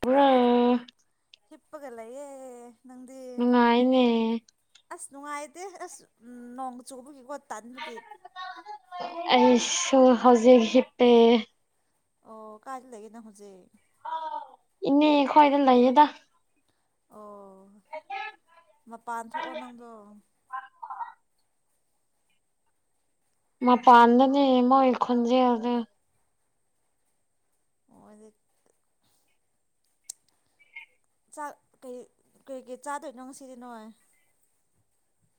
ꯄꯨꯔꯣ ꯍꯤꯞꯄꯒ ꯂꯩꯌꯦ ꯅꯪꯗꯤ ꯅꯨꯡꯉꯥꯏꯅꯦ ꯑꯁ ꯅꯨꯡꯉꯥꯏ ꯇꯦ ꯑꯁ ꯅꯣꯡ ꯆꯨꯕꯒꯤ ꯀꯣ ꯇꯟꯕꯒꯤ ꯑꯩꯁꯨ ꯍꯧꯖꯤꯛ ꯍꯤꯞꯄꯦ ꯑꯣ ꯀꯥꯢꯗ ꯂꯩꯒꯦ ꯅꯪ ꯍꯧꯖꯤꯛ ꯏꯟꯅꯦ ꯈꯣꯏꯗ ꯂꯏꯌꯦꯗ ꯑꯣ ꯃꯄꯥꯟ ꯊꯣꯛꯑꯣ ꯅꯪꯗꯣ ꯃꯥꯄꯥꯟꯗꯅꯦ ꯃꯣꯢ ꯈꯣꯟꯖꯦꯟꯗꯣ ꯃꯣꯏꯗꯤ ꯆꯥꯛ ꯀꯩ ꯀꯩ ꯆꯥꯗꯣꯏꯅꯣ ꯉꯁꯤꯗꯤ ꯅꯣꯢ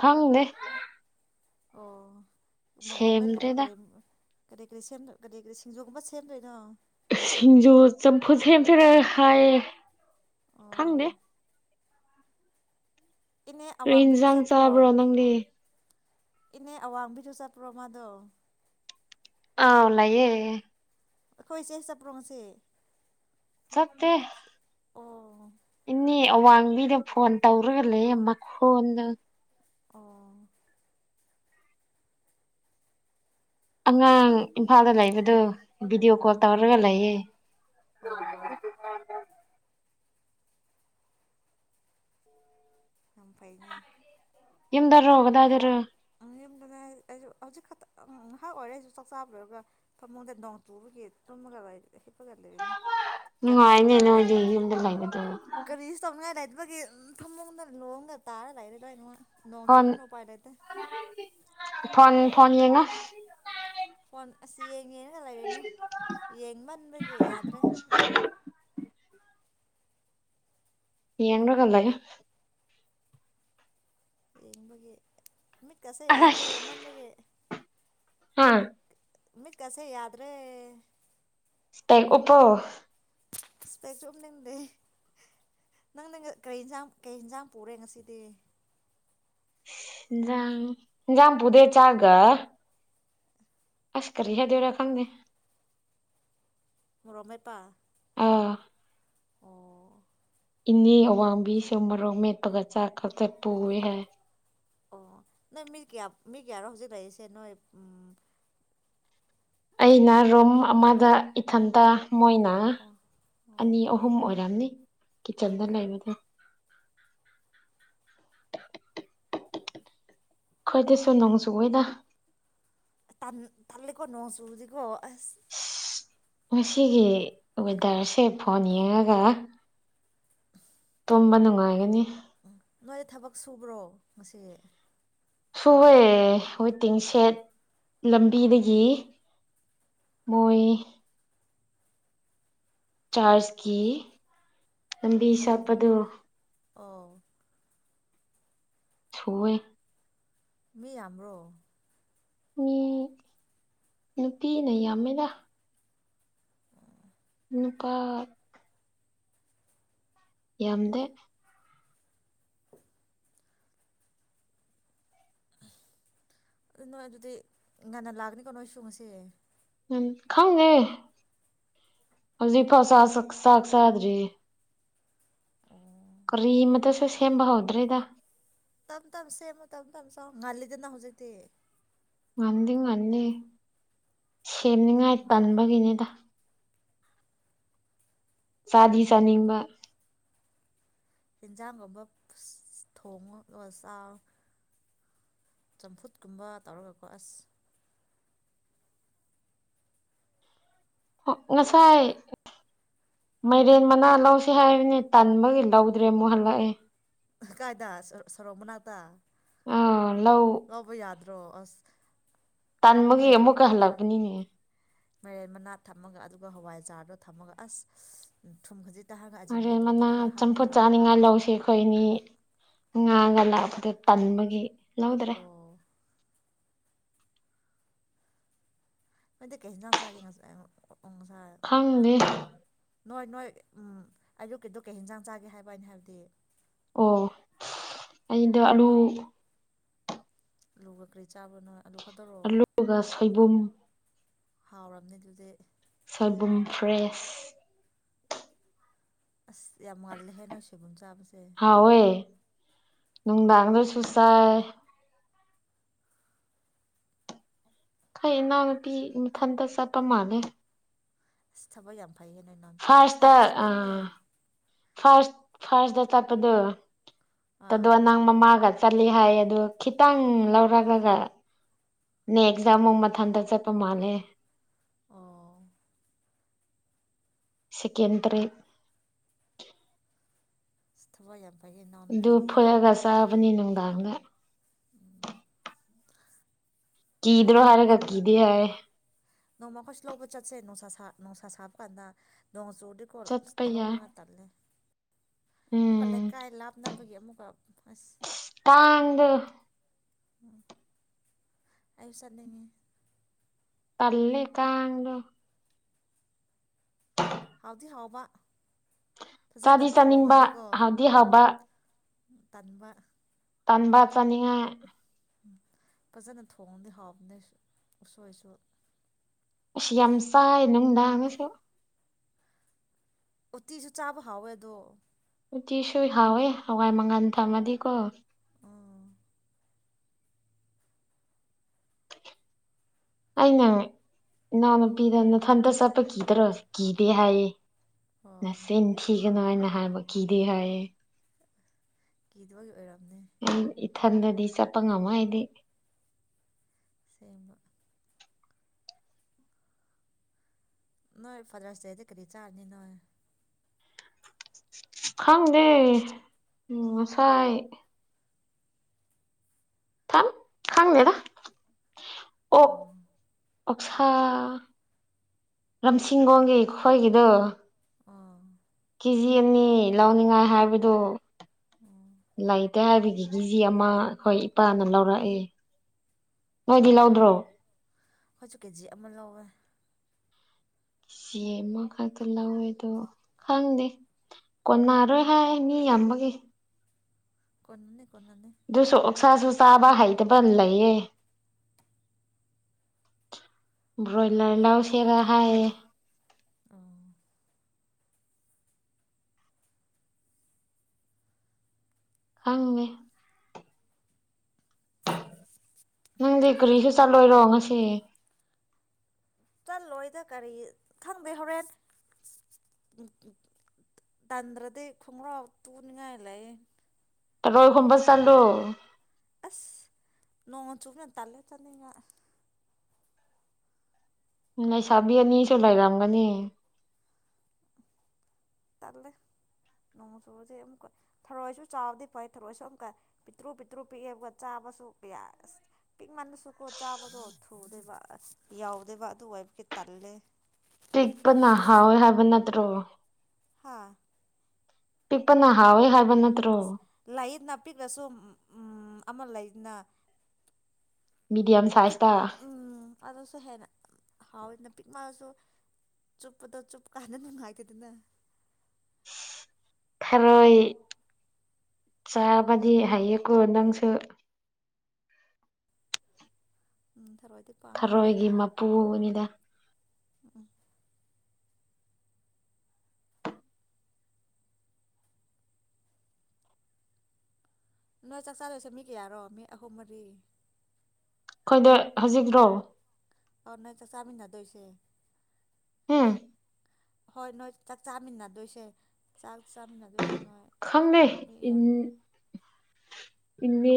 ꯈꯪꯗꯦ ꯑꯣ ꯃꯔꯣꯛ ꯃꯦꯠꯂꯤꯔꯣ ꯁꯦꯝꯗ꯭ꯔꯦꯗ ꯀꯔꯤꯅꯣ ꯀꯔꯤ ꯀꯔꯤ ꯁꯦꯝ ꯀꯔꯤ ꯀꯔꯤ ꯁꯤꯡꯖꯨꯒꯨꯝꯕ ꯁꯦꯝꯗꯣꯏꯔꯣ ꯁꯤꯡꯖꯨ ꯆꯝꯐꯨꯠ ꯁꯦꯝꯁꯤꯔꯤ ꯍꯥꯏꯌꯦ ꯈꯪꯗꯦ ꯑꯣ ꯏꯅꯦ ꯀꯩ ꯑꯋꯥꯡꯕꯤꯁꯨ ꯏꯟꯖꯥꯡ ꯆꯠꯄ꯭ꯔꯣ ꯆꯥꯕ꯭ꯔꯣ ꯅꯪꯗꯤ ꯏꯅꯦ ꯑꯋꯥꯡꯕꯤ ꯆꯠꯄ꯭ꯔꯣ ꯃꯥꯗꯣ ꯑꯥ ꯂꯩꯌꯦ ꯑꯩꯈꯣꯏ ꯆꯦ ꯆꯠꯄ꯭ꯔꯣ ꯉꯁꯤ ꯆꯠꯇꯦ ꯑꯣ ꯏꯅꯦ ꯑꯋꯥꯡꯕꯤꯗ ꯐꯣꯟ ꯇꯧꯔꯒ ꯂꯩ ꯃꯈꯣꯟꯗ ꯑꯣ ꯑꯉꯥꯡ ꯏꯝꯐꯥꯜꯗ ꯂꯩꯕꯗꯨ ꯕꯤꯗꯤꯑꯣ ꯀꯣꯜ ꯑꯣ ꯇꯧꯔꯒ ꯂꯑ ꯑꯣ ꯑꯝꯐꯅꯦ ꯌꯨꯝꯗꯔꯣ ꯀꯗꯥꯏꯗꯔꯣ꯫ ꯎ ꯌꯨꯝꯗꯅꯦ ꯑꯩꯁꯨ ꯍꯧꯖꯤꯛ ꯈꯛꯇ ꯉꯥꯏꯍꯥꯛ ꯑꯣꯏꯔꯦ ꯑꯩꯁꯨ ꯆꯥꯛ ꯆꯥꯕ ꯂꯣꯏꯔꯒ ꯊꯃꯨꯡꯗ ꯅꯣꯡ ꯆꯨꯕꯒꯤ ꯇꯨꯝꯃꯒ ꯍꯤꯞꯄꯒ ꯂꯩꯔꯤꯅꯦ ꯅꯨꯡꯉꯥꯏꯅꯦ ꯅꯣꯢꯗꯤ ꯌꯨꯝꯗ ꯂꯩꯕꯗ ꯑꯩꯒꯤ ꯎꯝ ꯐꯃꯣꯡꯗ ꯂꯣꯡꯅ ꯇꯥꯔ ꯂꯩꯔꯦ ꯑꯗ꯭ꯋꯥꯏꯅꯨꯡ ꯅꯣꯡ ꯐꯣꯟ ꯆꯨꯕꯅꯤꯅ ꯎꯄꯥꯏ ꯂꯩꯇꯦ꯫ ꯐꯣꯟ ꯐꯣꯟ ꯌꯦꯡꯉꯣ ꯐꯣꯟ ꯑꯁ ꯌꯦꯡꯉꯦꯔ ꯂꯩꯔꯤꯅꯦ ꯌꯦꯡꯃꯟꯕꯒꯤ ꯌꯥꯗ꯭ꯔꯦ ꯌꯦꯟꯒꯂꯑꯣ ꯏꯕꯒꯤ ꯀꯁ ꯌꯥꯎꯗ꯭ꯔꯦ ꯌꯦꯃꯟꯕꯦ ꯍꯥꯥ ꯃꯤꯠ ꯀꯁꯦ ꯌꯥꯗ꯭ꯔꯦ ꯎꯄꯣ ꯏꯁꯄꯦꯛ ꯆꯨꯝꯅꯤꯡꯗꯦ ꯅꯪ ꯀꯔꯤꯟꯁꯥꯡ ꯀꯩ ꯌꯦꯟꯖꯥꯡ ꯄꯨꯔꯦ ꯉꯁꯤꯗꯤ ꯖꯥ ꯄꯨꯗꯦ ꯆꯥꯒ ꯑꯁ ꯀꯔꯤꯌꯥ ꯗꯧꯔ ꯈꯪꯗ ꯔꯣꯃꯦꯄꯥ ꯑꯣ ꯏꯟꯅꯤ ꯑꯋꯥꯡꯕꯤ ꯁꯃꯔꯣꯃꯦ ꯇꯒ ꯆꯥ ꯀ ꯆꯠꯄꯨ ꯍꯥꯏ ꯑꯣ ꯅꯣꯏ ꯃꯤ ꯀꯌꯥ ꯃꯤ ꯀꯌꯥꯔꯣ ꯍꯧꯖꯤꯛ ꯂꯩꯔꯤꯁꯦ ꯅꯣꯏ ꯎ ꯑꯩꯅ ꯔꯨꯝ ꯑꯃꯗ ꯏꯊꯟꯇ ꯃꯣꯏꯅ ꯑꯣ ꯑꯅꯤ ꯑꯣ ꯑꯍꯨꯝ ꯑꯣꯏꯔꯝꯅꯤ ꯆꯟꯗ ꯑꯣ ꯂꯩꯏꯕꯗ ꯈꯈꯣꯏꯗꯤ ꯁꯨꯝ ꯅꯣꯡꯖꯨ ꯑꯣꯏꯗ ꯇꯥꯟ ꯇꯥꯟꯦꯀꯣ ꯅꯣꯡꯖꯁꯨꯗꯤꯀꯣ ꯑꯁ ꯉꯁꯤꯒꯤ ꯋꯦꯗꯔꯁꯦ ꯐꯣꯟ ꯌꯦꯡꯉꯒ ꯇꯨꯝꯕ ꯅꯨꯡꯉꯥꯏꯒꯅꯤ ꯎ ꯅꯣꯏ ꯊꯕꯛ ꯁꯨꯕ꯭ꯔꯣ ꯉꯁꯤ ꯁꯨꯕꯦ ꯍꯣꯏ ꯇꯤꯡꯁꯦꯠ ꯂꯝꯕꯤꯗꯒꯤ ꯃꯣꯏ ꯆꯥꯔꯖꯀꯤ ꯂꯝꯕꯤ ꯑꯣ ꯁꯥꯠꯄꯗꯣ ꯑꯣ ꯊꯋꯏ ꯃꯤ ꯌꯥꯝ꯭ꯔꯣ ꯃꯤ ꯅꯨꯄꯤꯅ ꯌꯥꯝꯃꯦꯗ ꯅꯨꯄꯥ ꯌꯥꯝꯗ ꯑꯗꯨ ꯅꯣꯏ ꯑꯗꯨꯗꯤ ꯉꯟꯅ ꯂꯥꯛꯒꯅꯤꯀꯣ ꯅꯣꯏ ꯁꯨꯡꯉꯁꯦ ꯎꯝ ꯈꯪꯉꯦ ꯍꯧꯖꯤꯛ ꯐꯥꯎ ꯆꯥꯛ ꯆꯥꯗ꯭ꯔꯤ ꯑꯣ ꯀꯔꯤꯃꯇꯁꯨꯦ ꯁꯦꯝꯕ ꯍꯧꯗ꯭ꯔꯦꯗ ꯇꯝ ꯇꯝ ꯁꯦꯃ ꯇꯝ ꯇꯝ ꯆ ꯉꯂꯤꯗꯅ ꯍꯧꯖꯤ ꯇ ꯃꯗꯤ ꯉꯅꯤ ꯁꯦꯝꯅꯤꯉꯥꯏ ꯇꯟꯕꯒꯤꯅꯤꯗ ꯁꯥꯗꯤ ꯁꯥꯅꯤꯡꯕ ꯌꯦꯟꯖꯥꯡꯒꯨꯝꯕ ꯊꯣꯡꯉꯒ ꯆꯥ ꯆꯝꯐꯨꯠꯀꯨꯝꯕ ꯇꯧꯔꯒꯀꯣ ꯑꯁ ꯉꯁꯥꯏ ꯃꯥꯏꯔꯦꯟ ꯃꯅꯥ ꯂꯧꯁꯤ ꯍꯥꯏꯕꯅꯤ ꯇꯟꯕꯒꯤ ꯂꯧꯗ꯭ꯔꯦ ꯑꯃꯨꯛ ꯍꯜꯂꯛꯑꯦ ꯀꯥꯏꯗ ꯁꯔꯣꯃꯅꯥꯗ ꯑꯥ ꯂꯣꯏꯣ ꯌꯥꯗ ꯇꯣ ꯑꯁ ꯇꯥꯟꯃꯒ ꯑꯃꯨ ꯀ ꯍꯜꯂꯕꯅꯤꯅꯦ ꯃꯥꯏꯔꯦꯟ ꯃꯅꯥꯠ ꯊꯝꯃꯒ ꯑꯗꯨꯒ ꯍꯋꯥꯏꯖꯥꯔꯗꯣ ꯊꯝꯃꯒ ꯑꯁ ꯊꯨꯝ ꯈꯖꯤꯛ ꯑꯔꯦ ꯃꯅ ꯆꯝꯐꯨꯠ ꯆꯥꯅꯤꯉꯥꯏ ꯂꯧꯁꯤ ꯑꯩꯈꯣꯏꯅꯤ ꯉꯥꯒ ꯂꯥꯛꯄꯗ ꯇꯟꯕꯒꯤ ꯂꯣꯏꯗ꯭ꯔꯦ ꯑꯣ ꯀꯦꯁ ꯁꯥ ꯈꯪꯅꯤꯦ ꯅꯣꯏ ꯅꯣꯏ ꯎꯝ ꯑꯌꯨꯛꯀꯤꯗꯨ ꯀꯩ ꯍꯟꯖꯥꯡ ꯆꯥꯒꯦ ꯍꯥꯏꯕ ꯑꯅꯤ ꯍꯥꯏꯕꯗꯤ ꯑꯣ ꯑꯗ ꯑꯂꯨ ꯑ ꯂꯨꯕ ꯀꯔꯤ ꯆꯥꯕꯅꯣ ꯂꯨꯒ ꯁꯣꯏꯕꯨꯝ ꯍꯥꯎꯔꯝꯅꯦ ꯑꯗꯨꯗꯤ ꯁꯜꯕꯨꯝ ꯐ꯭ꯔꯦꯁ ꯑꯁ ꯌꯥꯝ ꯃꯥꯜꯂꯦ ꯍꯦ ꯅꯣꯏ ꯁꯦꯕꯟ ꯆꯥꯕꯗ ꯍꯣꯏ ꯅꯨꯡ ꯗꯥꯡꯒꯗꯁꯨ ꯆꯁꯥꯏ ꯑꯩꯩ ꯏꯅꯥꯎꯅꯨꯄꯤ ꯃꯊꯟꯇ ꯆꯠꯄ ꯃꯥꯜꯂꯦ ꯁꯊꯕꯌ ꯐꯩꯌꯦꯦꯅ ꯝꯄꯤꯗꯣ ꯑꯁ ꯐꯥꯔꯁꯇ ꯑꯩꯁꯨ ꯆꯠꯅꯤꯡꯉꯦ ꯐꯥꯔꯁꯗ ꯆꯠꯞꯗꯨ ꯇꯗꯨ ꯑꯥ ꯋꯥ ꯅꯪ ꯃꯃꯒ ꯆꯠꯂꯤ ꯍꯥꯏ ꯑꯗ ꯈꯤꯇꯪ ꯂꯧꯔꯒꯒ ꯅꯦꯛꯁꯗ ꯑꯃꯨꯛ ꯃꯊꯟꯇ ꯆꯠꯄ ꯃꯥꯜꯂꯦ ꯑꯣ ꯁꯦꯀꯦꯟꯗꯔꯤ ꯁꯊꯋꯌ ꯗꯨꯞ ꯐꯂꯒꯥꯁ ꯅꯤꯅꯗꯥꯉ ꯀ ꯏꯗꯔꯣ ꯍꯥꯏꯔ ꯀꯀꯤꯗꯤ ꯍꯥꯏꯌꯦ ꯅꯣꯡꯃ ꯑꯩꯈꯣꯏꯁꯨ ꯂꯧꯕ ꯆꯠꯁꯦ ꯅꯨꯡꯁꯥ ꯁꯥ ꯅꯣꯡꯁꯥ ꯁꯥꯐ ꯀꯗ ꯅꯣꯡ ꯑꯖꯣꯗꯤꯀꯣ ꯆꯠꯄ ꯌꯥꯏ ꯂꯧꯅꯉꯥꯏ ꯇꯜꯂꯦ ꯑꯣꯀ ꯂꯩꯀꯥꯏ ꯂꯞ ꯅꯅꯥꯕꯒꯤꯦ ꯑꯃꯨꯛ ꯇꯥꯡ ꯑꯗꯨ ꯑꯌꯨꯁꯠ ꯂꯩꯉꯦ ꯄꯜꯂꯤꯤ ꯀꯥꯗ [inaudible] ꯍꯥꯎꯗꯤ ꯍꯥꯎꯕ ꯐꯖꯅ ꯆꯥꯗꯤ ꯆꯥꯅꯤꯡꯕ ꯊꯣꯡꯉꯗꯤꯀꯣ ꯍꯥꯗꯤ ꯎꯝ ꯍꯥꯕ ꯇꯟꯕ ꯇꯟꯄꯥꯥ ꯆꯅꯤꯉ ꯎ ꯐꯖꯅ ꯊꯣꯡꯗꯤ ꯍꯥꯎꯞꯅꯤ ꯎꯁꯣꯏ ꯁꯣꯏ ꯌꯥꯝ ꯆꯥꯏꯅꯅꯨꯡꯗꯥꯉꯁꯨꯦ ꯎꯇꯤꯁꯨ ꯆꯥꯕ ꯍꯥꯎꯋꯦ ꯑꯗꯣ ꯅꯨꯡꯇꯤꯁꯨꯣꯏ ꯍꯥꯎꯋꯦ ꯍꯋꯥꯏ ꯃꯪꯉꯜ ꯊꯝꯃꯗꯤꯀꯣ ꯎꯝ ꯑꯩꯅ ꯏꯅꯥꯎꯅꯨꯄꯤꯗ ꯅꯊꯟꯇ ꯆꯠꯄ ꯀꯤꯗꯔꯣꯁꯤ ꯀꯤꯗꯦ ꯍꯥꯏꯌꯦ ꯑꯣ ꯅꯁꯦꯅꯤ ꯊ ꯀ ꯀꯩꯅꯣ ꯍꯥꯏꯅ ꯍꯥꯏꯕ ꯀꯤꯗꯦ ꯍꯥꯏꯌꯦ ꯀꯤꯗꯕꯒꯤ ꯑꯣꯏꯔꯝꯅꯤ ꯎ ꯏꯊꯟꯗꯗꯤ ꯆꯠꯄ ꯉꯝꯃ ꯍꯥꯏꯗꯤ ꯁꯦꯝꯃ ꯅꯣꯏ ꯐꯥꯗ꯭ꯔꯁꯤꯇꯗ ꯀꯔꯤ ꯆꯥꯔꯅꯤ ꯅꯣꯏ ꯈꯪꯗꯦ ꯎꯝ ꯉꯁꯥꯏ ꯊꯝ ꯈꯥꯡꯅꯦꯗ ꯑ ꯑꯣꯛꯁꯥ ꯂꯝꯖꯤꯡꯒꯣꯡꯒꯤ ꯈꯣꯏꯒꯤꯗꯣ ꯑꯣ ꯀꯦ ꯖꯤ ꯑꯅꯤ ꯂꯧꯅꯤꯡꯉꯥꯏ ꯍꯥꯏꯕꯗꯨ ꯑꯣ ꯂꯥꯏꯠ ꯏꯇ ꯍꯥꯏꯕꯤꯒꯤ ꯀꯦ ꯖꯤ ꯑꯃ ꯑꯩꯈꯣꯏ ꯏꯄꯥꯅ ꯂꯧꯔꯛꯏꯦ ꯅꯣꯏꯗꯤ ꯑꯣ ꯂꯧꯗ꯭ꯔꯣ ꯑꯩꯈꯣꯏꯁꯨ ꯀꯦ ꯖꯤ ꯑꯃ ꯂꯧꯋꯦ ꯆꯦ ꯑꯃꯈꯛꯇ ꯂꯧꯋꯦ ꯑꯗꯣ ꯈꯪꯗꯦ ꯀꯣꯟꯅꯔꯣꯏ ꯍꯥꯏ ꯃꯤ ꯌꯥꯝꯕꯒꯤ ꯀꯅꯅꯤ ꯑꯗꯨꯁꯣ ꯑꯣꯛꯁ ꯆꯥꯕ ꯍꯩꯗꯕ ꯂꯩꯌꯦ ꯕ꯭ꯔꯣꯏꯂꯔ ꯏ ꯅꯥꯎꯁꯦꯒ ꯍꯥꯏꯌꯦ ꯑꯣ ꯑꯪꯅꯦ ꯅꯪꯗꯤ ꯀꯔꯤꯁꯨ ꯆꯠꯂꯣꯏꯔꯣ ꯉꯁꯤ ꯜꯂꯣꯏꯗ ꯀꯔꯤ ꯈꯪꯗꯦ ꯍꯣꯔꯦꯟ ꯇꯟꯗ꯭ꯔꯗꯤ ꯈꯣꯡꯒ꯭ꯔꯥꯎ ꯇꯨꯅꯤꯡꯉꯥꯏ ꯂꯩ ꯇꯔꯣꯏ ꯁꯣꯕ ꯑꯗꯣ ꯆꯂꯨ ꯅꯣꯡꯉ ꯆꯨꯃ ꯇꯂꯦ ꯆꯟꯅꯅꯤꯡꯉ ꯂꯩꯁꯕꯤ ꯑꯅꯤ ꯆꯂꯥꯏꯔꯝꯒꯅꯤ ꯇꯜꯂꯦ ꯅꯣꯡ ꯆꯨꯕꯁꯦ ꯑꯃꯨꯛꯀ ꯊꯔꯣꯏꯁꯨ ꯆꯥꯎꯕꯗꯤ ꯐꯩ ꯊꯔꯣꯏꯁꯨ ꯑꯃꯨꯛꯀ ꯄꯤꯛꯇ꯭ꯔꯨ ꯄꯤꯛꯇ꯭ꯔꯨ ꯄꯤꯛꯑꯦ ꯑꯃ ꯆꯥꯕꯁꯨꯁ ꯄꯤꯛꯃꯜꯟꯅꯁꯨꯀꯣ ꯆꯥꯕꯗꯣ ꯊꯨꯗꯣꯏꯕ ꯌꯥꯎꯗꯣꯏꯕ ꯑꯗꯨ ꯑꯣꯏꯏꯕꯗꯤ ꯇꯜꯂꯦ ꯄꯤꯛ ꯄ ꯍꯥꯥꯎ ꯑꯣꯏꯣꯏ ꯍꯥꯏꯕ ꯅꯠꯇ꯭ꯔꯣ ꯍꯥꯥ ꯄꯤꯄꯅ ꯍꯋꯦ ꯍꯥ ꯂꯩꯟ ꯅꯅꯥꯄꯤꯤ ꯔꯁ ꯎꯝ ꯑꯃ ꯂꯩꯅ ꯃꯤꯗꯤꯌꯝ ꯤ ꯁꯥꯏꯖꯇ ꯎꯝ ꯑꯗꯁꯨ ꯍꯦꯅ ꯍꯥꯎ ꯏ ꯄꯤꯛ ꯃꯥꯁꯨ ꯆꯨꯞꯄꯗꯣ ꯆꯨꯞ ꯀꯥꯟꯗ ꯅꯨꯡꯉꯥꯏꯇꯗꯅ ꯊꯔꯣꯏ ꯆꯥꯕꯗꯤ ꯍꯩꯌꯦꯀꯣ ꯅꯪꯁꯨ ꯫ ꯊꯔꯣꯏ ꯊꯔꯣꯏꯒꯤ ꯃꯄꯨꯅꯤꯗ ꯎ ꯅꯣꯏ ꯆꯥꯛꯆꯥꯗꯣꯏꯁꯦ ꯃꯤ ꯀꯌꯥꯔꯣ ꯃꯤ ꯑꯍꯨꯝ- ꯃꯔꯤ? ꯑꯩꯈꯣꯏꯗ ꯍꯧꯖꯤꯛꯔꯣ? ꯑꯣ ꯅꯣꯏ ꯆꯥꯛ ꯆꯥꯃꯤꯟꯅꯗꯣꯏꯁꯦ ꯍꯨꯝ ꯍꯣꯏ ꯅꯣꯏ ꯆꯥꯛ ꯆꯥꯃꯤꯟꯅꯗꯣꯏꯁꯦ ꯆꯥꯛ ꯆꯥꯃꯤꯟꯅꯗꯣꯏꯁꯦ ꯅꯣꯏ ꯈꯪꯅꯩ ꯃꯤ ꯏꯟ ꯌꯥꯝ ꯏꯃꯦ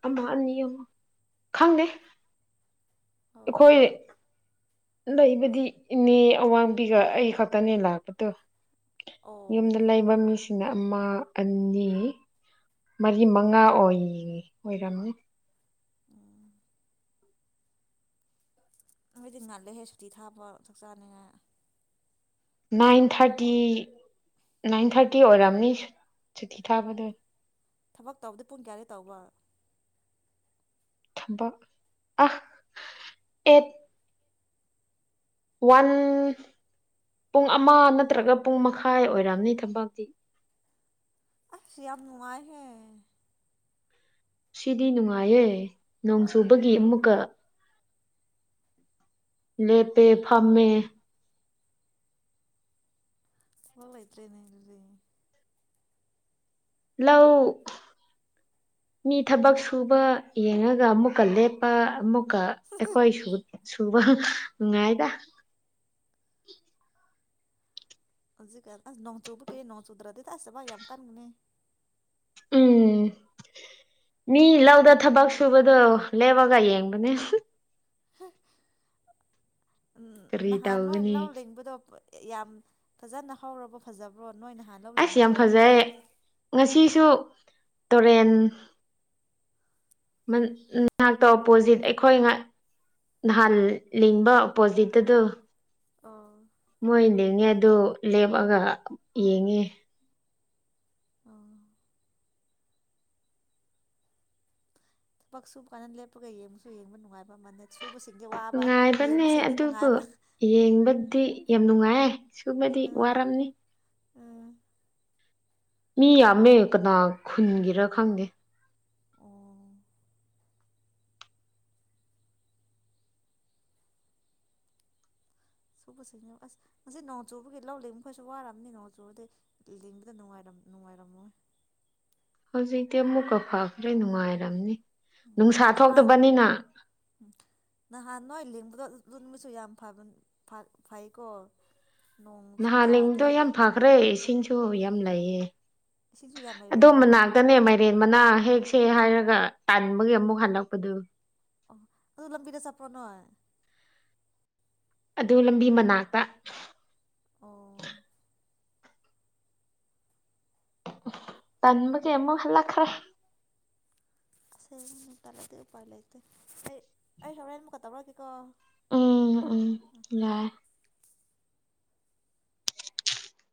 ꯀꯃꯔꯅꯤ ꯈꯪ ꯑꯣ ꯑꯩꯈꯣꯏ ꯂꯩꯕꯗꯤ ꯏꯅꯦ ꯑꯋꯥꯡꯕꯤꯒ ꯑꯩ ꯈꯛꯇꯅꯦ ꯂꯥꯛꯄꯗꯣ ꯑꯣ ꯫ ꯌꯨꯝꯗ ꯂꯩꯕ ꯃꯤꯁ ꯑꯃ ꯑꯅꯤ ꯃꯔꯤ ꯃꯉꯥ ꯑꯣꯏ ꯑꯣꯏꯔꯝꯅꯤ ꯫ ꯎꯝ ꯅꯣꯏꯗꯤ ꯉꯜꯂꯦꯍꯦ ꯁꯨꯇꯤ ꯊꯥꯕ ꯆꯥꯛ ꯆꯥꯅꯤꯉꯥꯏ ꯅꯥꯏꯟ ꯊꯥꯔꯇꯤ ꯅꯥꯏꯟ ꯊꯥꯔꯇꯤ ꯑꯣꯏꯔꯝꯅꯤ ꯁꯨꯇꯤ ꯊꯥꯕꯗꯣ ꯊꯕꯛ ꯇꯧꯕꯗ ꯄꯨꯡ ꯀꯌꯥ ꯗꯩ ꯇꯧꯕ? ꯊꯕꯛ ꯑꯍ ꯑꯦꯠ ꯋꯥꯟ ꯄꯨꯡ ꯑꯃ ꯅꯠꯇ꯭ꯔꯒ ꯄꯨꯡ ꯃꯈꯥꯏ ꯑꯣꯏꯔꯑꯝꯅꯤ ꯊꯕꯥꯛꯇꯤ꯫ ꯑꯁ ꯌꯥꯝ ꯅꯨꯡꯉꯥꯏꯍꯦ! ꯁꯤꯗꯤ ꯅꯨꯡꯉꯥꯏꯌꯦ ꯅꯣꯡ ꯆꯨꯕꯒꯤ ꯑꯃꯨꯛꯀ ꯂꯦꯄꯦ ꯐꯝꯃꯦ ꯊꯕꯛ ꯂꯩꯇ꯭ꯔꯦꯅꯦ ꯑꯗꯨꯗꯤ ꯫ ꯂꯧ ꯃꯤ ꯊꯕꯛ ꯁꯨꯕ ꯌꯦꯡꯉꯒ ꯑꯃꯨꯛꯀ ꯂꯦꯞꯄ ꯑꯃꯨꯛ ꯀ ꯑꯩꯈꯣꯏ ꯁꯨ ꯁꯨꯕ ꯅꯨꯉꯥꯏꯗ ꯫ ꯍꯧꯖꯤꯛ ꯀ ꯅꯣꯡ ꯆꯨꯕ ꯀ ꯅꯣꯡ ꯆꯨꯗ꯭ꯔꯗꯤ ꯑꯁꯦꯕ ꯌꯥꯝ ꯀꯟꯒꯅꯦ ꯎꯝ ꯃꯤ ꯂꯧꯗ ꯊꯕꯛ ꯁꯨꯕꯗꯣ ꯂꯦꯞꯑꯒ ꯌꯦꯡꯕꯅꯦ꯫ [inaudible] ꯎꯝ ꯀꯔꯤ ꯅꯍꯥꯟ ꯅꯣꯏ ꯇꯧꯒꯅꯤ ꯂꯧ ꯂꯤꯡꯕꯗꯣ ꯌꯥꯝ ꯐꯖꯅ ꯍꯧꯔꯕꯣ ꯐꯖꯕ꯭ꯔꯣ? ꯅꯣꯏ ꯅꯍꯥꯟ ꯂꯧ ꯑꯁ ꯌꯥꯝ ꯂꯤꯡꯕꯗꯣ ꯐꯖꯩ ꯉꯁꯤꯁꯨ ꯇꯨꯔꯦꯟ ꯃꯅꯥꯛꯇ ꯑꯣꯄꯣꯖꯤꯠ ꯑꯩꯈꯣꯏ ꯉ ꯅꯍꯥꯟ ꯂꯤꯡꯕ ꯑꯣꯄꯣꯖꯤꯠ ꯇꯗꯨ ꯑꯣ꯫ ꯃꯣꯏ ꯂꯤꯡꯉꯦ ꯑꯗꯨ ꯂꯦꯞꯑꯒ ꯌꯦꯡꯉꯦ ꯫ ꯑ ꯄꯛꯁꯁꯨ ꯀꯥꯟꯅ ꯂꯦꯄꯒ ꯌꯦꯡꯉꯨꯁꯨ ꯌꯦꯡꯕ ꯅꯨꯡꯉꯥꯏꯕ ꯃꯗ ꯅꯨꯡꯉꯥꯏꯕꯅꯦ ꯑꯗꯨꯕꯨ ꯅꯨꯡꯉꯥꯏꯕ ꯌꯦꯡꯕꯗꯤ ꯌꯥꯝ ꯅꯨꯡꯉꯥꯏ꯫ ꯁꯨꯕꯗꯤ ꯎꯝ ꯋꯥꯔꯝꯅꯤ꯫ ꯎꯝ ꯃꯤ ꯌꯥꯝꯃꯦ ꯀꯅꯥ ꯈꯨꯟꯒꯤꯔꯥ ꯈꯪꯗꯦ ꯑꯣ ꯁꯨꯕꯁꯤꯡꯅꯦ ꯑꯁ ꯉꯁꯤ ꯅꯣꯡ ꯆꯨꯕꯒꯤꯩ ꯂꯧ ꯂꯤꯡꯕ ꯃꯈꯩꯁꯨ ꯋꯥꯔꯕꯅꯤ ꯅꯣꯡ ꯆꯨꯕꯗꯤꯩ ꯂꯤꯡꯕꯗ ꯅꯨꯡꯉꯥꯏꯔꯝꯃꯣꯏ ꯍꯧꯖꯤꯛꯇꯤ ꯑꯃꯨꯛꯀ ꯐꯈ꯭ꯔꯦ ꯅꯨꯡꯉꯥꯏꯔꯝꯅꯤ ꯅꯨꯡꯁꯥ ꯅꯥꯟ ꯊꯣꯛꯇꯕꯅꯤꯅ ꯅꯍꯥꯟꯅ ꯑꯗꯨ ꯑꯗꯨꯃꯤꯁꯨ ꯌꯥꯝꯕ ꯐꯩꯀꯣ ꯅꯣꯡꯁꯨ ꯅꯍꯥꯟ ꯂꯕꯗꯣ ꯇꯥꯗꯦ ꯌꯥꯝ ꯐꯈ꯭ꯔꯦ ꯏꯁꯤꯡꯁꯨ ꯌꯥꯝ ꯎꯝ ꯂꯩꯌꯦ ꯏꯁꯤꯡꯁꯨ ꯌꯥꯝ ꯑꯗꯨ ꯂꯩꯔꯕꯣ ꯃꯅꯥꯛꯇꯅꯦ ꯃꯥꯏꯔꯦꯟ ꯃꯅꯥ ꯍꯦꯛꯁꯦ ꯍꯥꯏꯔꯒ ꯇꯥꯟꯕꯒꯤ ꯑꯃꯨꯛ ꯍꯜꯂꯛꯄꯗꯨ ꯑꯣ ꯑꯗꯨ ꯂꯝꯕꯤꯗ ꯆꯄꯔꯅꯨ ꯑꯗꯨ ꯂꯝꯕꯤ ꯃꯅꯥꯛꯇ ꯑꯣ ꯇꯟꯕꯒꯤ ꯀꯃꯨꯛ ꯍꯂꯛꯈꯔ ꯁꯦ ꯇꯂꯗꯤ ꯄꯥꯏ ꯂꯩꯇ ꯑꯩ ꯑꯩ ꯁꯕꯔ ꯌꯥꯅ ꯃꯀ ꯇꯧꯕꯔ ꯀꯦ ꯀꯣ ꯎꯝ ꯎꯝ ꯂꯥꯛꯏ